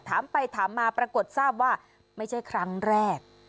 ถามไปถามมาปรากฏทราบว่าไม่ใช่ครั้งแรก